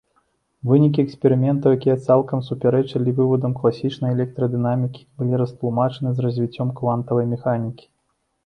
Вынікі эксперыментаў, якія цалкам супярэчылі вывадам класічнай электрадынамікі, былі растлумачаны з развіццём квантавай механікі.